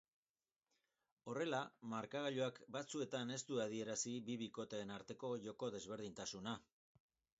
Horrela, markagailuak batzuetan ez du adierazi bi bikoteen arteko joko desberdintasuna.